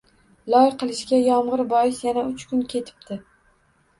Loy qilishga yomg'ir bois yana uch kun ketibdi